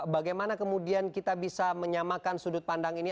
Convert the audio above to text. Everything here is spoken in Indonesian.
bagaimana kemudian kita bisa menyamakan sudut pandang ini